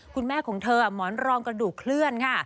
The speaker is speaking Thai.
คุณแม่ของเธอหมอนรองกระดูกเคลื่อนค่ะ